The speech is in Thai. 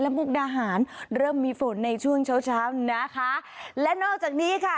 มุกดาหารเริ่มมีฝนในช่วงเช้าเช้านะคะและนอกจากนี้ค่ะ